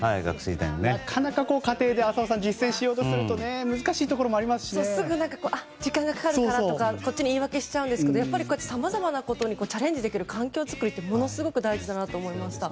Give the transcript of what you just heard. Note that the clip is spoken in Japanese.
なかなか家庭で実践しようとすると、浅尾さんすぐ時間がかかるからとかこっちが言い訳しちゃうんですけどさまざまなことにチャレンジできる環境作りってものすごい大事だなと思いました。